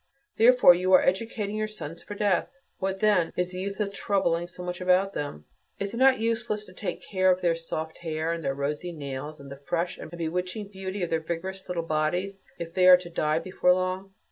Therefore you are educating your sons for death. What, then, is the use of troubling so much about them? Is it not useless to take care of their soft hair, and their rosy nails, and the fresh and bewitching beauty of their vigorous little bodies, if they are to die before long?